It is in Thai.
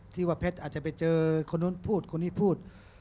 ที่ว่าแพทย์อาจจะไปเจอคนนู้นพูดคนนี้พูด